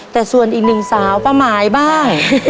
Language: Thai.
แต่ส่วนอีกหนึ่งสาวป้าหมายบ้าง